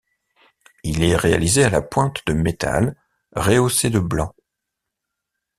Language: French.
Il est réalisé à la pointe de métal rehaussée de blanc.